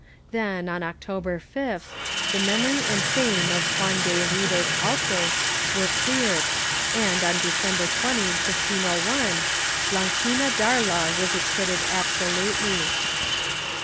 Then, on October 5th, the memory and fame of Juan de Ribes Altes were cleared and, on December 20, 1501, Blanquina Darla was acquitted absolutely.